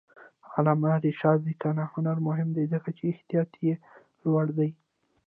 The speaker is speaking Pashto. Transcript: د علامه رشاد لیکنی هنر مهم دی ځکه چې احتیاط یې لوړ دی.